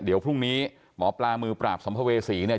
เดี๋ยวพรุ่งนี้หมอปลามือปราบสัมภเวษีเนี่ย